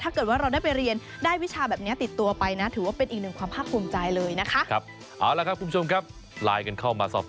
ถ้าเกิดว่าเราได้ไปเรียนได้วิชาแบบนี้ติดตัวไปนะถือว่าเป็นอีกหนึ่งความภาคภูมิใจเลยนะคะ